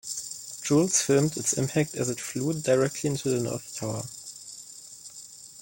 Jules filmed its impact as it flew directly into the North Tower.